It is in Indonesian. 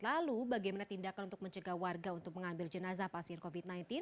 lalu bagaimana tindakan untuk mencegah warga untuk mengambil jenazah pasien covid sembilan belas